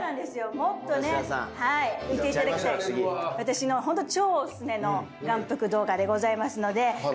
もっとね見ていただきたい私のホント超オススメの眼福動画でございますので。